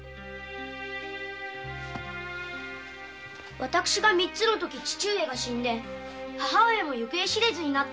私が三つのときに父上が死んで母上も行方知れずになったと聞かされました。